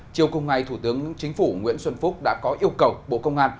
chiều cùng ngày thủ tướng chính phủ nguyễn xuân phúc đã có yêu cầu bộ công an